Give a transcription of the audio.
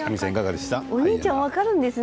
お兄ちゃんが分かるんですね。